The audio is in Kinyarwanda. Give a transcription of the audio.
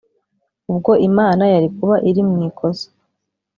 ubwo Imana yari kuba iri mu ikosa